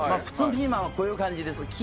普通のピーマンはこういう感じです。